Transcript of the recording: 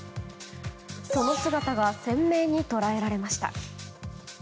その姿が鮮明に捉えられました。